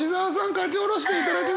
書き下ろしていただきました！